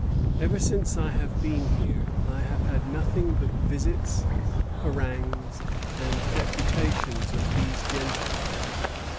Ever since I have been here, I have had nothing but visits, harangues, and deputations of these gentry.